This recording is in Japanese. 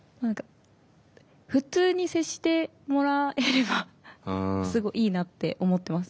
普通に接してもらえればすごいいいなって思ってます。